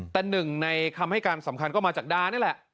แต่หนึ่งในคำให้การสำคัญก็มาจากดานี่แหละ